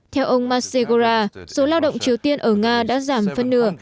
theo ông masegora số lao động triều tiên ở nga đã giảm phân nửa